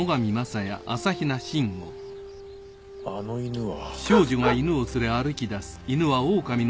あの犬は。